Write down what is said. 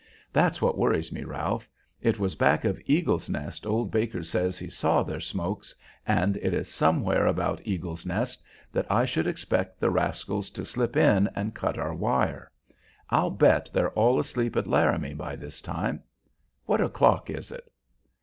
That's what worries me, Ralph. It was back of Eagle's Nest old Baker says he saw their smokes, and it is somewhere about Eagle's Nest that I should expect the rascals to slip in and cut our wire. I'll bet they're all asleep at Laramie by this time. What o'clock is it?"